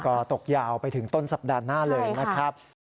ก็ตกยาวไปถึงต้นสัปดาห์หน้าเลยนะครับ